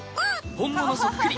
本物そっくり！